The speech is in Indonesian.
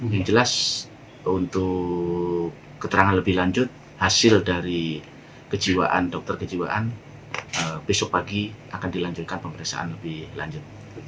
yang jelas untuk keterangan lebih lanjut hasil dari kejiwaan dokter kejiwaan besok pagi akan dilanjutkan pemeriksaan lebih lanjut